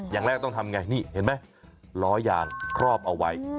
อย่างแรกต้องทำไงนี่เห็นไหมล้อยางครอบเอาไว้